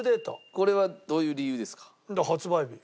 これはどういう理由ですか？